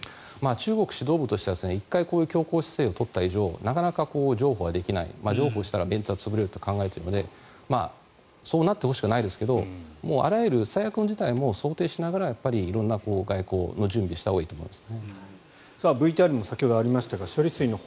中国指導部としては１回こういう強硬姿勢を取った以上なかなか譲歩ができない譲歩をしたらメンツが潰れると考えているのでそうなってほしくはないですがもうあらゆる最悪の事態も想定しながら処理水放出に関してです。